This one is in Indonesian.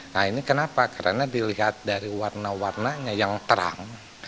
nah ini kenapa karena dilihat dari warna warnanya yang terang